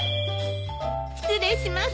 失礼します。